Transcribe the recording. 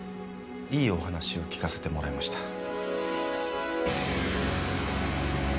いいお話を聞かせてもらいました。